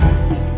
kamu yang dikasih